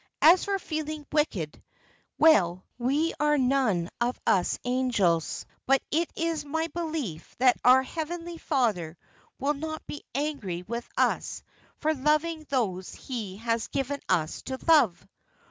As for feeling wicked well, we are none of us angels, but it is my belief that our Heavenly Father will not be angry with us for loving those He has given us to love.'